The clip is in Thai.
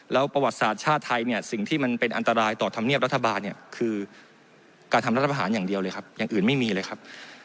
แล้วประวัติศาสตร์ชาติไทยเนี่ยสิ่งที่มันเป็นอันตรายต่อธรรมเนียบรัฐบาลเนี่ยคือการทำรัฐประหารอย่างเดียวเลยครับอย่างอื่นไม่มีเลยครับ